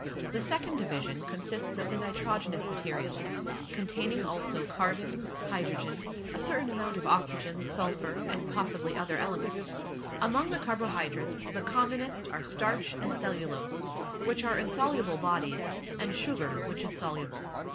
The second division consists of the nitrogenous materials, containing also carbon, hydrogen, a certain amount of oxygen, sulphur, and possibly other elements. Among the carbohydrates, the commonest are starch and cellulose, which are insoluble bodies, and sugar, which is soluble.